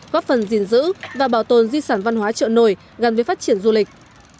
góp phần gìn giữ và bảo tồn di sản văn hóa chợ nổi gắn với phát triển du lịch